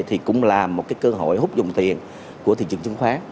thì cũng là một cơ hội hút dòng tiền của thị trường chứng khoán